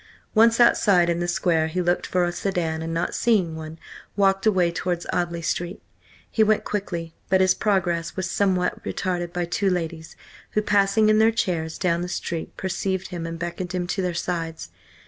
Once outside in the square he looked for a sedan, and not seeing one, walked away towards Audley Street. He went quickly, but his progress was somewhat retarded by two ladies, who, passing in their chairs down the street, perceived him and beckoned him to their sides.